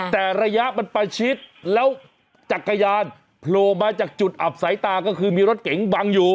แต่ระยะมันประชิดแล้วจักรยานโผล่มาจากจุดอับสายตาก็คือมีรถเก๋งบังอยู่